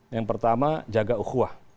yang pertama jaga ukhwah